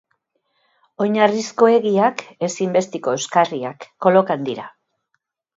Oinarrizko egiak, ezinbesteko euskarriak kolokan dira.